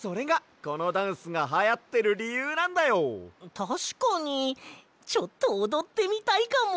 たしかにちょっとおどってみたいかも。